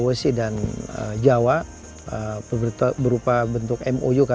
mungkin jalan dulu ya